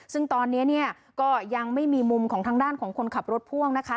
ซึ่งตอนนี้เนี่ยก็ยังไม่มีมุมของทางด้านของคนขับรถพ่วงนะคะ